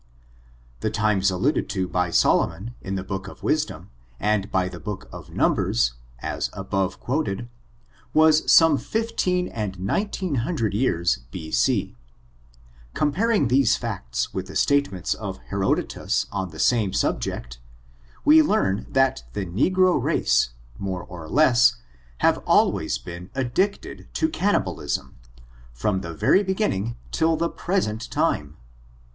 The times alluded to by Solomon, in the book of Wisdom, and by the book of Numbers, as above quoted, was some fifteen and nineteen hundred years B. C. Comparing these facts with the statements of Herodotus on the same subject (see below), we learn that the negro race, more or less, have always been ad dicted to cannibalism, from the very beginning till I ^^k^N^M^^^^^^ F0RTUVE8, OP THB NEGRO RACE. 239 the present time.